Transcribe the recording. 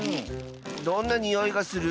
どんなにおいがする？